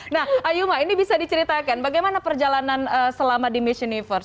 nah ayuma ini bisa diceritakan bagaimana perjalanan selama di miss universe